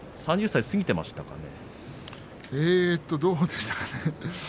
３０歳、過ぎてましたかね。